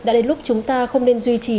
đã đến lúc chúng ta không nên duy trì